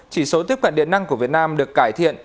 chỉ số tiếp cận điện năng của việt nam được cải thiện